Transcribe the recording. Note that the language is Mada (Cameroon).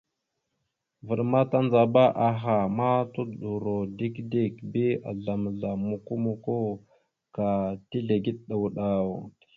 Vvaɗ ma tandzaba aha ma tudoɗoro dik dik bi azzlam azzlam mokko mokko ka tizləge ɗaw ɗaw.